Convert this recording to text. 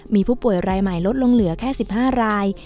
มีผู้ป่วยรายใหม่ลดลงเหลือแค่๑๕ราย